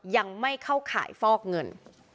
ยังไม่เข้าข่ายฟอกเงิน